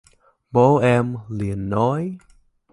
bố em liền nói